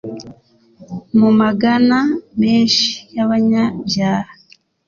Mu magana menshi y'abanyabyaha,